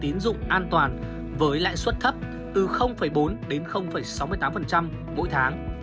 tiếp cận các sản phẩm tín dụng an toàn với lãi suất thấp từ bốn đến sáu mươi tám mỗi tháng